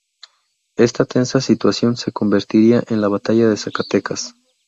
Esta tensa situación se convertiría en la Batalla de Zacatecas.